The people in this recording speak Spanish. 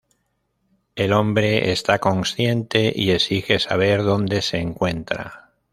El hombre está consciente y exige saber dónde se encuentra.